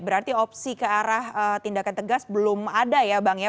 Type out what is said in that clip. berarti opsi ke arah tindakan tegas belum ada ya bang ya